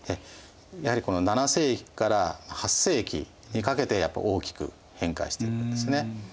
やはり７世紀から８世紀にかけて大きく変化していくんですね。